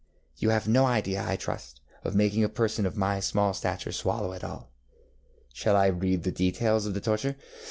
You have no idea, I trust, of making a person of my small stature swallow it all. ŌĆØŌĆÖ Shall I read the details of the torture?